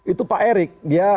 itu pak erik dia